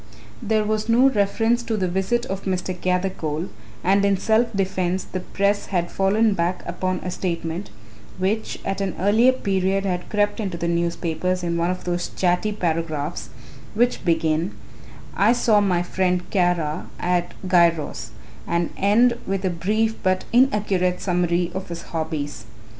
There was no reference to the visit of Mr. Gathercole and in self defence the press had fallen back upon a statement, which at an earlier period had crept into the newspapers in one of those chatty paragraphs which begin "I saw my friend Kara at Giros" and end with a brief but inaccurate summary of his hobbies.